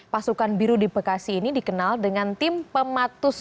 pasukan biru di bekasi ini dikenal dengan tim pematus